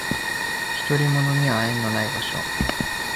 独り者には縁のない場所